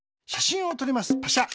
パシャ。